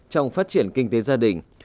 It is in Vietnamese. trong phát triển kinh tế gia đình